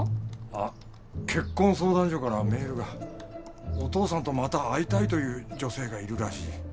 あっ結婚相談所からメールがお父さんとまた会いたいという女性がいるらしい